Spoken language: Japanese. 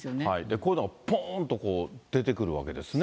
こういうのがぽーんと出てくるわけですね。